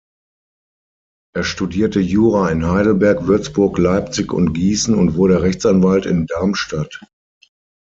Er studierte Jura in Heidelberg, Würzburg, Leipzig und Gießen und wurde Rechtsanwalt in Darmstadt.